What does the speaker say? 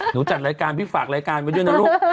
จัดรายการพี่ฝากรายการไว้ด้วยนะลูก